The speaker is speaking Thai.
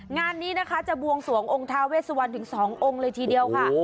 งานนี้นะคะจะบวงสวงองค์ทาเวสวันถึง๒องค์เลยทีเดียวค่ะ